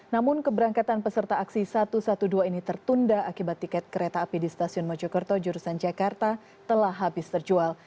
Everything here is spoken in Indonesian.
namun keberangkatan peserta aksi satu ratus dua belas ini tertunda akibat tiket kereta api di stasiun mojokerto jurusan jakarta telah habis terjual